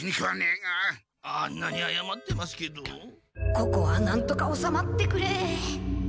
ここはなんとかおさまってくれ！